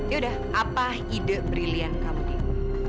yaudah apa ide brilian kamu dika